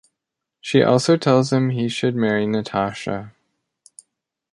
She also tells him he should marry Natasha.